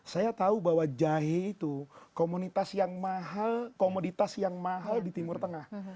saya tahu bahwa jahe itu komunitas yang mahal komoditas yang mahal di timur tengah